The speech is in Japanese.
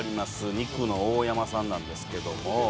肉の大山さんなんですけども。